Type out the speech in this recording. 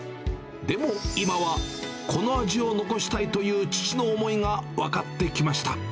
でも今は、この味を残したいという父の思いが分かってきました。